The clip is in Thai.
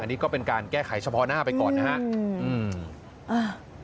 อันนี้ก็เป็นการแก้ไขเฉพาะหน้าไปก่อนนะครับ